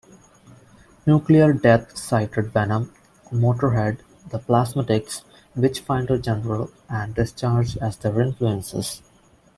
Nuclear Death cited Venom, Motorhead, The Plasmatics, Witchfinder General, and Discharge as their influences.